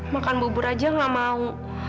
makan bubur aja gak mau